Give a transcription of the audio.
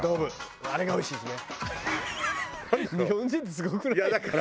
あれがおいしいしね。